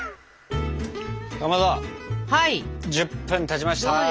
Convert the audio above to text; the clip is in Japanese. １０分たちました。